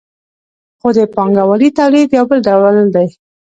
خو د پانګوالي تولید بل ډول دی.